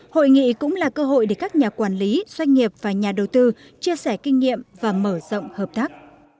hội nghị cũng là cơ hội để các nhà quản lý doanh nghiệp và nhà đầu tư chia sẻ kinh nghiệm và mở rộng hợp tác